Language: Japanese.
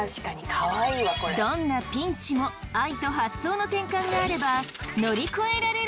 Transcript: どんなピンチも愛と発想の転換があれば乗り越えられるのです！